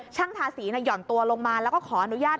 ทาสีหย่อนตัวลงมาแล้วก็ขออนุญาต